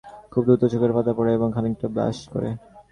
খুব দ্রুত চোখের পাতা পড়ে এবং খানিকটা ব্লাশ করে।